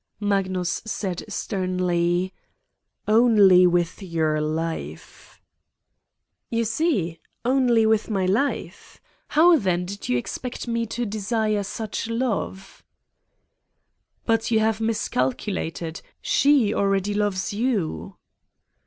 Magnus said sternly: "Only with your life." "You see: only with my life! How, then, did you expect me to desire such love?" "But you have miscalculated: she already loves you."